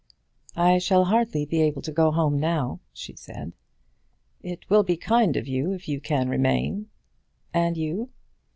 "I shall hardly be able to go home now," she said. "It will be kind of you if you can remain." "And you?"